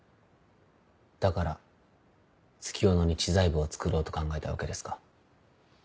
だから月夜野に知財部をつくろうと考えたわけですか。